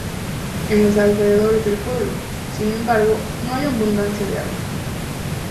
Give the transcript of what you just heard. En los alrededores del pueblo, sin embargo no hay abundancia de agua.